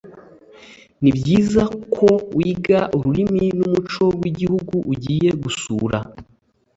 Nibyiza ko wiga ururimi numuco wigihugu ugiye gusura